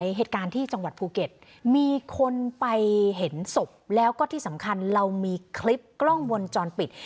เหตุการณ์ที่จังหวัดภูเก็ตมีคนไปเห็นศพแล้วก็ที่สำคัญเรามีคลิปกล้องวงจรปิด